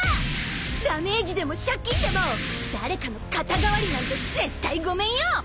［ダメージでも借金でも誰かの肩代わりなんて絶対ごめんよ！］